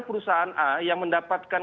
perusahaan a yang mendapatkan